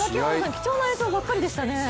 貴重な映像ばっかりでしたね。